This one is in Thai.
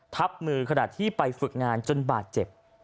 ทับมือขณะที่ไปฝึกงานจนบาดเจ็บ